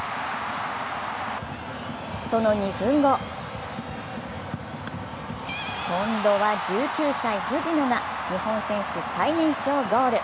その２分後、今度は１９歳・藤野が日本選手最年少ゴール。